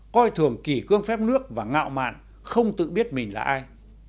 coi thường kỳ cương phép nước và ngạo mạng không tự biết mình là ai